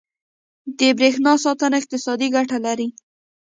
• د برېښنا ساتنه اقتصادي ګټه لري.